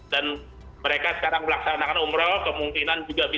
dan mereka sekarang melaksanakan umroh kemungkinan juga berubah